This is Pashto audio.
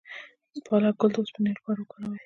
د پالک ګل د اوسپنې لپاره وکاروئ